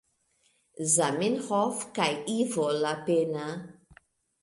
Zamenhof kaj Ivo Lapenna.